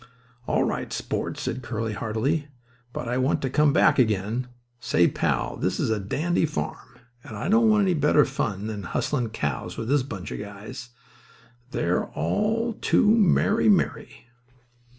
"All right, sport," said Curly, heartily. "But I want to come back again. Say, pal, this is a dandy farm. And I don't want any better fun than hustlin' cows with this bunch of guys. They're all to the merry merry."